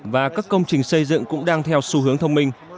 và các công trình xây dựng cũng đang theo xu hướng thông minh